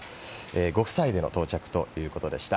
ご夫妻での到着ということでした。